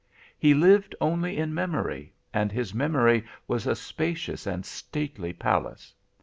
He lived only in memory, and his memory was a spacious and stately palace.